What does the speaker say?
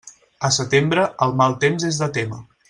A setembre, el mal temps és de témer.